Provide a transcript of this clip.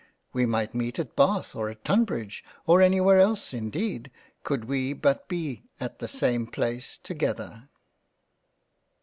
We might meet at Bath, at Tunbridge, or anywhere else indeed, could we but be at the same place together.